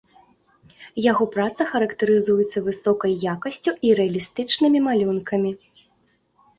Яго праца характарызуецца высокай якасцю і рэалістычнымі малюнкамі.